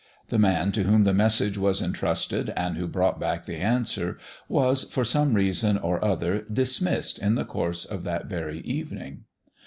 The man to whom the message was entrusted and who brought back the answer, was, for some reason or other, dismissed in the course of that very evening.